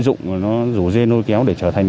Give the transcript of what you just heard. sẽ vô cùng nhiều